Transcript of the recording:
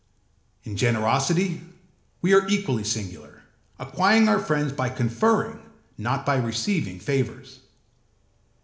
In generosity we are equally singular, acquiring our friends by conferring, not by receiving, favours.